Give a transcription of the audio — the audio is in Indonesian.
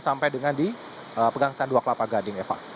sampai dengan di pegangsaan dua kelapa gading eva